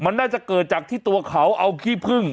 มันน่าจะเกิดจากที่ตัวเขาเอาขี้พึ่ง